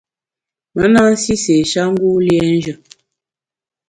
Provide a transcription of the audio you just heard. Me na nsi séé-sha ngu liénjù.